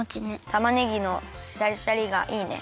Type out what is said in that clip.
たまねぎのシャリシャリがいいね。